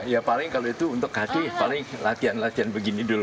ya paling kalau itu untuk kaki paling latihan latihan begini dulu